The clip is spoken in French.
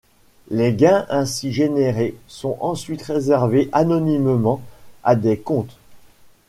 Les gains ainsi générés sont ensuite reversés anonymement à des comptes.